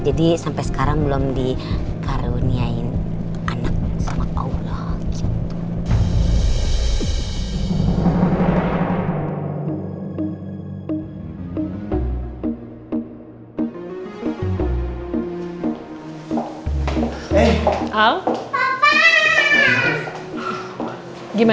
jadi sampai sekarang belum dikaruniai anak sama paolo gitu